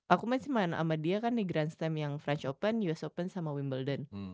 aku main sih main sama dia kan di grand stam yang french open us open sama wimbledon